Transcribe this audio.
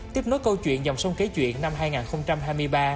tiếp nối câu chuyện dòng sông kế chuyện năm hai nghìn hai mươi ba